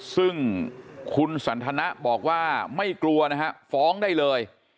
ซึ่งคุณสันทนะบอกว่าไม่กลัวนะฮะฟ้องได้เลย